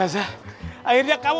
maukah kau menerima cintaku